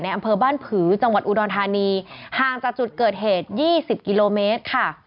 อำเภอบ้านผือจังหวัดอุดรธานีห่างจากจุดเกิดเหตุ๒๐กิโลเมตรค่ะ